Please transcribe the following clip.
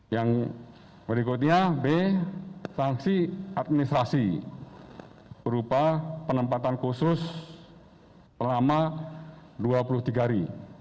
yang berikutnya b sanksi administrasi berupa penempatan khusus selama dua puluh tiga hari